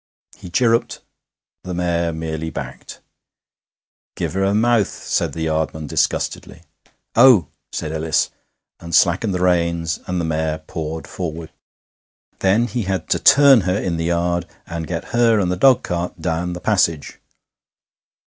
He chirruped. The mare merely backed. 'Give 'er 'er mouth,' said the yardman disgustedly. 'Oh!' said Ellis, and slackened the reins, and the mare pawed forward. Then he had to turn her in the yard, and get her and the dogcart down the passage.